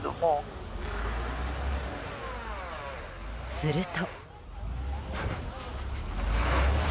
すると。